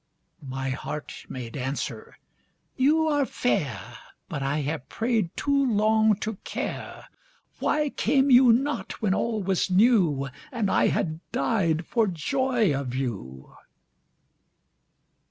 My heart made answer: "You are fair, But I have prayed too long to care. Why came you not when all was new, And I had died for joy of you."